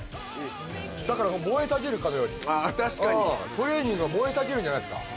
トレーニングが燃えたぎるんじゃないですか？